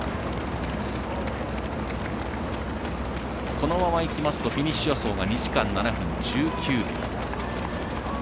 このままいきますとフィニッシュ予想が２時間７分１９秒。